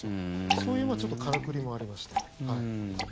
そういう、ちょっとからくりもありまして。